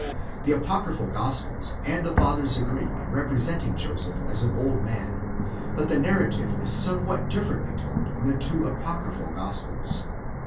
6 The apocryphal Gospels and the Fathers agree in repre senting Joseph as an old man;® but the narrative is somewhat differently told in the two apocryphal Gospels.